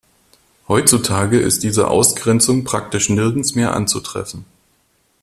Heutzutage ist diese Ausgrenzung praktisch nirgends mehr anzutreffen.